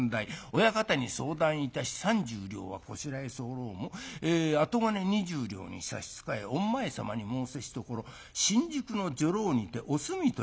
親方に相談いたし３０両はこしらえ候も後金２０両に差し支えおん前さまに申せしところ新宿の女郎にておすみとやらを』。